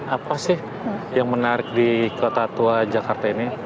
apa sih yang menarik di kota tua jakarta ini